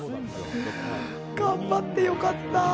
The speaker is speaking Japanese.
頑張って良かった！